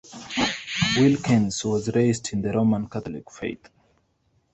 Wilkens was raised in the Roman Catholic faith.